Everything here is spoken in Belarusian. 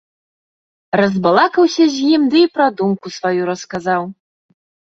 Разбалакаўся з ім ды і пра думку сваю расказаў.